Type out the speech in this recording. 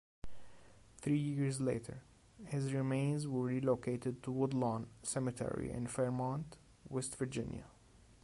Three years later, his remains were relocated to Woodlawn Cemetery in Fairmont, West Virginia.